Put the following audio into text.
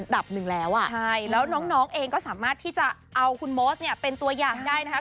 หนึ่งแล้วอ่ะใช่แล้วน้องเองก็สามารถที่จะเอาคุณโมสเนี่ยเป็นตัวอย่างได้นะคะ